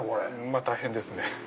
まぁ大変ですね。